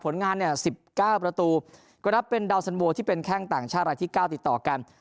ผลงานเนี่ย๑๙ประตูก็นับเป็นดาวสันโวที่เป็นแข้งต่างชาติรายที่๙ติดต่อกัน